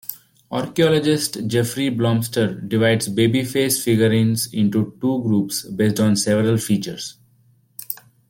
Archaeologist Jeffrey Blomster divides baby-face figurines into two groups based on several features.